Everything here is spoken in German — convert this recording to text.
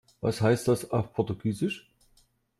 Was heißt das auf Portugiesisch?